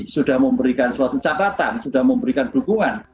sudah memberikan suatu catatan sudah memberikan dukungan